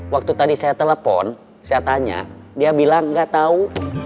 waktu tadi saya telepon saya tanya dia bilang nggak tahu